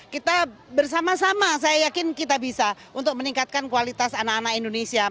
kita bersama sama saya yakin kita bisa untuk meningkatkan kualitas anak anak indonesia